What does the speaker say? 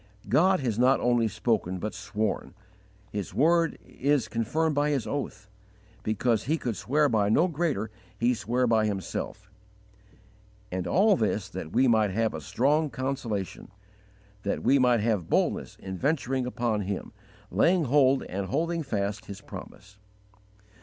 " God has not only spoken, but sworn; His word is confirmed by His oath: because He could swear by no greater He sware by Himself. And all this that we might have a strong consolation; that we might have boldness in venturing upon Him, laying hold and holding fast His promise.